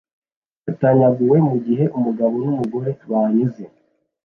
yatanyaguwe mugihe umugabo numugore banyuze